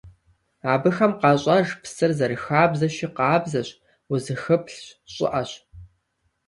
Абыхэм къащӀэж псыр, зэрыхабзэщи, къабзэщ, узыпхыплъщ, щӀыӀэщ.